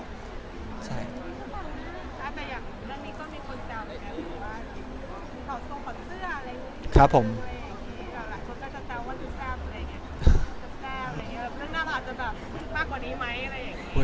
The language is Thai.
เนื้อนึกว่าว่าผอดเสื้อ